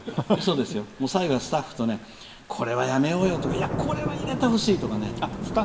最後はスタッフとこれはやめようよいや、これは入れてほしいとか。